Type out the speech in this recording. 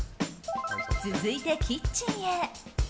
続いてキッチンへ。